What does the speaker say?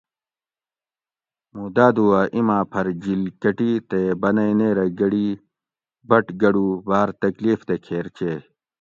موں دادو ھہ ایما پھر جِل کٹی تے بنئ نیرہ گڑی بٹ گڑو باۤر تکلیف دہ کھیر چیئ